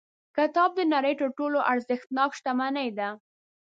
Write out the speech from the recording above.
کتاب د نړۍ تر ټولو ارزښتناک شتمنۍ ده.